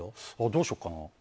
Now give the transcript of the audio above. どうしようかな。